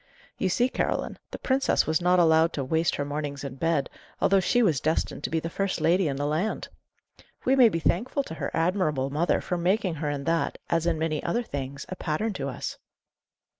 You see, Caroline, the princess was not allowed to waste her mornings in bed, although she was destined to be the first lady in the land. We may be thankful to her admirable mother for making her in that, as in many other things, a pattern to us."